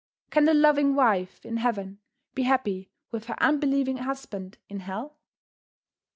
Can the loving wife in heaven be happy with her unbelieving husband in hell?"